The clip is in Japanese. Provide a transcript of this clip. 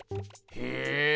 へえ。